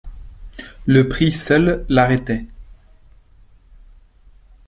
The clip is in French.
Le prix seul l'arrêtait.